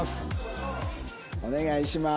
「お願いします」。